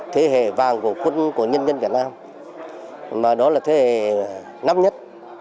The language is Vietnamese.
thế hệ vàng của quân của nhân dân việt nam mà đó là thế hệ năm nhất